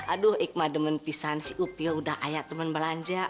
aduh ikma demen pisan si opil udah ayat temen belanja